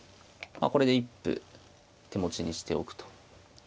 これで一歩手持ちにしておくと。